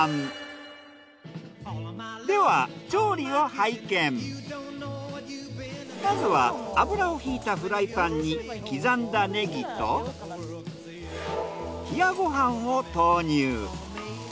自家製ではまずは油を引いたフライパンに刻んだネギと冷やご飯を投入。